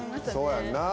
そうやんな。